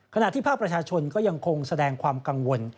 ขณะที่ภาคประชาชนก็ยังคงแสดงความกังวล